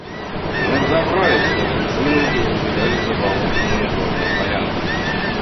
Мы взобрались на вершину и увидали заболоченную горную поляну.